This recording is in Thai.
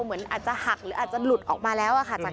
เหมือนอาจจะหักหรืออาจจะหลุดออกมาแล้วค่ะ